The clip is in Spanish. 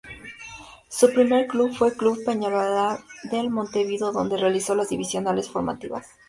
Su primer club fue el club Peñarol de Montevideo, donde realizó las divisionales formativas.